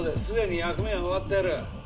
すでに役目は終わってる。